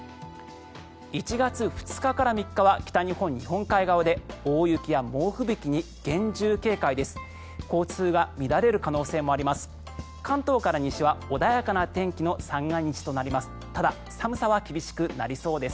１月２日から３日は北日本日本海側で大雪や猛吹雪に厳重警戒です。